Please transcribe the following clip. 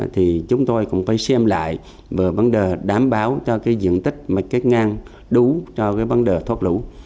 thì chúng tôi cũng phải xem lại và vấn đề đảm bảo cho dựng tích ngang đủ cho vấn đề thoát lũ